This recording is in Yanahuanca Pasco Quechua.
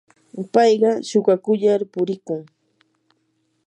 payqa shuukakullar purikun.